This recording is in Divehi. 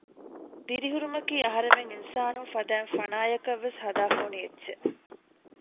ދިރިހުރުމަކީ އަހަރެމެން އިންސާނުން ފަދައިން ފާނަޔަކަށް ވެސް ހާދަ ފޮނި އެއްޗެއް